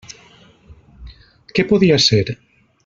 Què podia ser?